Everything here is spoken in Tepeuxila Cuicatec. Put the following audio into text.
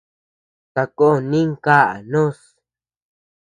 Sakón ninkaʼa noos.